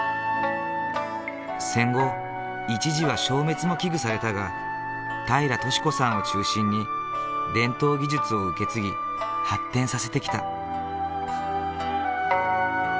戦後一時は消滅も危惧されたが平良敏子さんを中心に伝統技術を受け継ぎ発展させてきた。